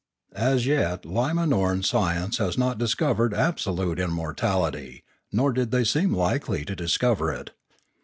As yet Limanoran science had not discovered absolute immortality; nor did it seem likely to discover it.